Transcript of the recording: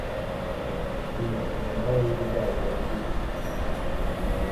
Стіни стогнали й ридали, як живі.